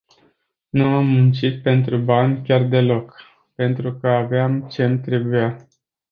Nu am muncit pentru bani chiar deloc, pentru că aveam ce-mi trebuia.